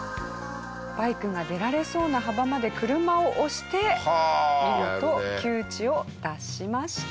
バイクが出られそうな幅まで車を押して見事窮地を脱しました。